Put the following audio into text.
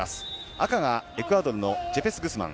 赤がエクアドルのジェペス・グスマン。